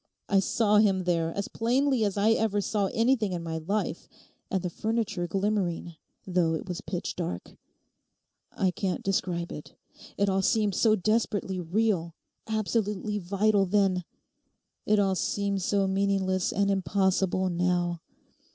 I saw him there, as plainly as I ever saw anything in my life, and the furniture glimmering, though it was pitch dark: I can't describe it. It all seemed so desperately real, absolutely vital then. It all seems so meaningless and impossible now.